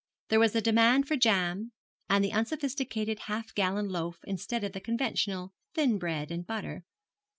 There was a demand for jam, and the unsophisticated half gallon loaf instead of the conventional thin bread and butter.